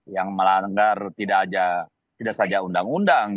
yang melanggar tidak saja undang undang